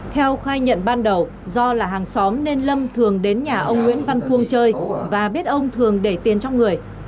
theo khai nhận ban đầu do là hàng xóm nên lâm thường đến nhà ông nguyễn văn phuông chơi và biết ông thường để tiền trong người